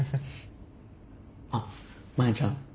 あっマヤちゃん。